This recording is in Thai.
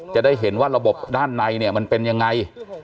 จะได้เห็นว่าระบบด้านในเนี่ยมันเป็นยังไง